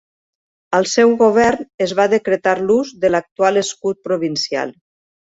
Al seu govern es va decretar l'ús de l'actual escut provincial.